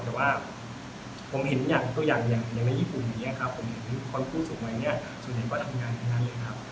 แต่ผมเห็นตัวอย่างยังอย่างในญี่ปุ่นผมเห็นว่าผู้สูงวัยส่วนใหญ่ก็ทำงานอย่างนั้นเลยครับ